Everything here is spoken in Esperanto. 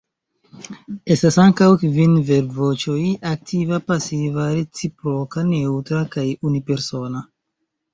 Estas ankaŭ kvin verbvoĉoj: aktiva, pasiva, reciproka, neŭtra kaj unipersona.